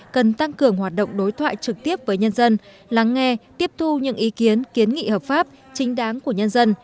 cần tăng cường hoạt động đối thoại trực tiếp với nhân dân lắng nghe tiếp thu những ý kiến kiến nghị hợp pháp chính đáng của nhân dân